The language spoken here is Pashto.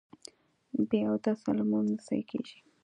بې اودسه لمونځ نه صحیح کېږي